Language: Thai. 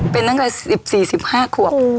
เป็นนั้นก็๑๔๑๕ขวบ